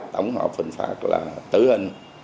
tổng hợp hình phạt là tử hình